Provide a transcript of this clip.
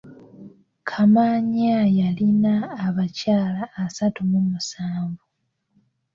Kamaanya yalina abakyala asatu mu musanvu.